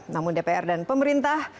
namun dpr dan pemerintah